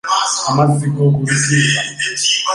Amazzi g’oku lutimpa.